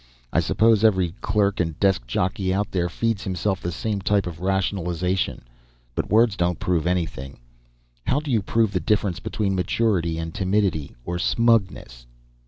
"I suppose every clerk and desk jockey out there feeds himself the same type of rationalization. But words don't prove anything. How do you prove the difference between maturity and timidity or smugness?"